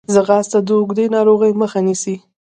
ځغاسته د اوږدې ناروغۍ مخه نیسي